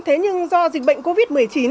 thế nhưng do dịch bệnh covid một mươi chín